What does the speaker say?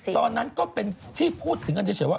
ตอนนั้นก็เป็นที่พูดถึงกันเฉยว่า